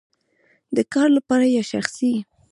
د کار لپاره یا شخصی؟